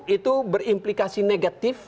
itu berimplikasi negatif